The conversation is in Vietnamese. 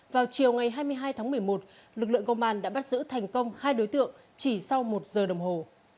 vào chiều ngày hai mươi hai tháng một mươi một lực lượng công an đã bắt giữ thành công hai đối tượng chỉ sau một giờ đồng hồ